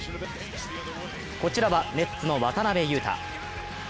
こちらはネッツの渡邊雄太。